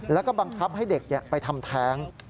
แล้วก็บังคับให้เด็กไปทำแท้ง